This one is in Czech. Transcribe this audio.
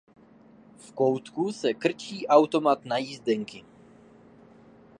V koutku se krčí automat na jízdenky.